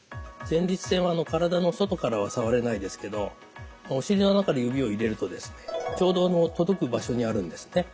前立腺は体の外からは触れないですけどお尻の穴から指を入れるとですねちょうど届く場所にあるんですね。